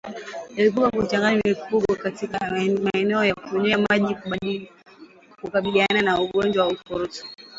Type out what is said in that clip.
Epuka kuchanganya mifugo katika maeneo ya kunywea maji kukabiliana na ugonjwa wa ukurutu